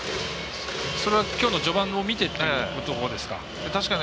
それは、きょうの序盤を見てということですか。